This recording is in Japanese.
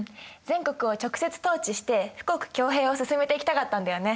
全国を直接統治して富国強兵を進めていきたかったんだよね。